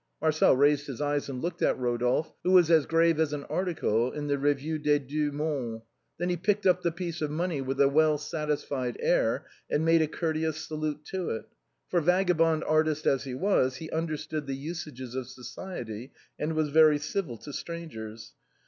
Marcel raised his eyes and looked at Rodolphe, who was as grave as an article in the " Revue des deux Mondes.'* Then he picked up the piece of money with a well satisfied air, and made a courteous salute to it ; for, vagabond artist as he was, he understood the usages of society, and was very civil to strangers.